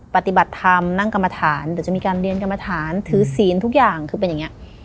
ปฏิบัติธรรมนั่งกรรมฐานเดี๋ยวจะมีการเรียนกรรมฐานถือศีลทุกอย่างคือเป็นอย่างนี้